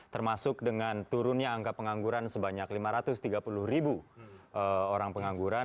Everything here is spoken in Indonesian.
termasuk dengan turunnya angka pengangguran sebanyak lima ratus tiga puluh ribu orang pengangguran